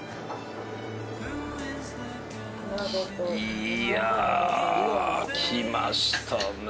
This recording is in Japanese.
いやあきましたね。